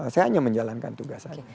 saya hanya menjalankan tugas saya